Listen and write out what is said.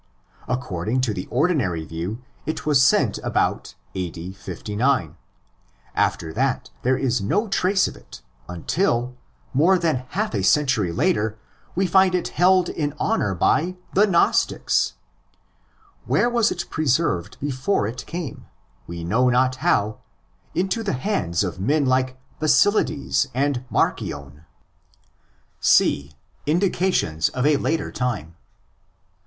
According to the ordinary View, it was sent about 59. After that there is no trace of it until, more than half a century later, we find it held in honour by—the Gnostics! Where was it preserved before it came, we know not how, into the hands of men like Basilides and Marcion ? C'.—Indications of a Later Time.